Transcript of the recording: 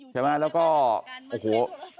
ใช่ไหมแล้วก็โอ้โห